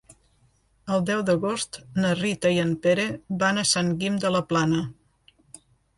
El deu d'agost na Rita i en Pere van a Sant Guim de la Plana.